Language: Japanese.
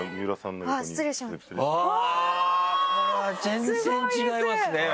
全然違いますね。